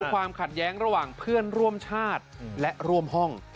ความขัดแย้งระหว่างเพื่อนร่วมชาติและร่วมห้อง